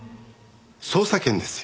捜査権ですよ。